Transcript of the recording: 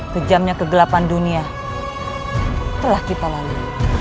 kejamnya kegelapan dunia telah kita lalui